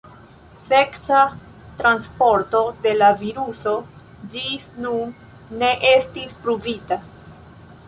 Seksa transporto de la viruso ĝis nun ne estis pruvita.